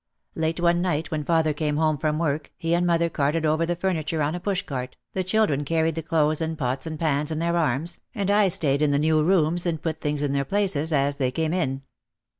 Late one night when father came home from work he and mother carted over the furniture on a push cart, the children carried the clothes and pots and pans in their arms and I stayed in the new rooms and put things in their places as they came in.